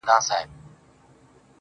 را روان په شپه كــــي ســـېــــــل دى~